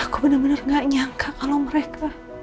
aku benar benar gak nyangka kalau mereka